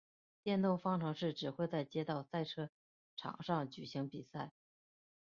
电动方程式只会在街道赛车场上举行比赛。